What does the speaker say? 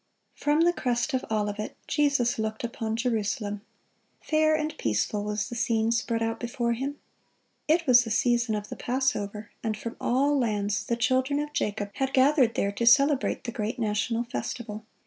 (1) From the crest of Olivet, Jesus looked upon Jerusalem. Fair and peaceful was the scene spread out before Him. It was the season of the Passover, and from all lands the children of Jacob had gathered there to celebrate the great national festival.